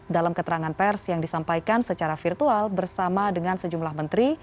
dalam keterangan pers yang disampaikan secara virtual bersama dengan sejumlah menteri